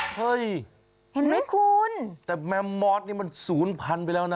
เฮ้ยเห็นไหมคุณแต่แมมมอสนี่มันศูนย์พันไปแล้วนะ